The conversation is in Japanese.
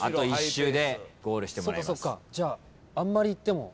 そっかじゃああんまり行っても。